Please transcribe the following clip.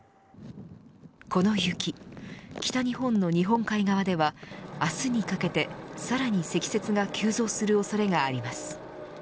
この雪、北日本の日本海側では明日にかけてさらに積雪が急増する恐れがあります。